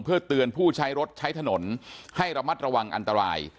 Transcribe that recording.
เพื่อเตือนผู้ใช้รถใช้ถนนให้ระมัดระวังอันตราย